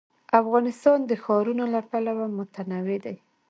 افغانستان د ښارونه له پلوه متنوع دی.